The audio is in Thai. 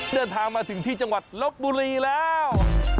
เดินทางมาถึงที่จังหวัดลบบุรีแล้ว